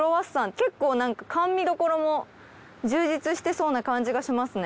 結構甘味どころも充実してそうな感じがしますね。